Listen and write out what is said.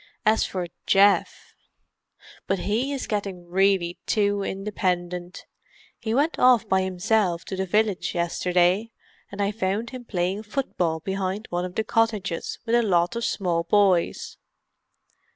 As for Geoff——! But he is getting really too independent: he went off by himself to the village yesterday, and I found him playing football behind one of the cottages with a lot of small boys."